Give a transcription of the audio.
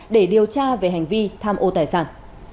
để điều tra về hành vi tham ô tài sản